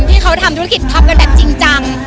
ที่เขาทำธุรกิจท็อปกันแบบจริงจัง